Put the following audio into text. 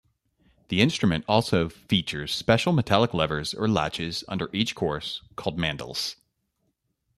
The instrument also features special metallic levers or latches under each course called "mandals".